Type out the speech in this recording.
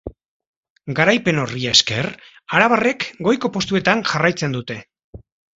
Garaipen horri esker, arabarrek goiko postuetan jarraitzen dute.